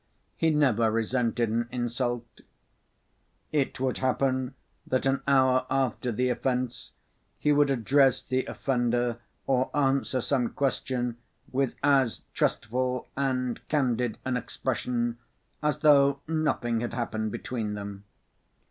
He never resented an insult. It would happen that an hour after the offense he would address the offender or answer some question with as trustful and candid an expression as though nothing had happened between them.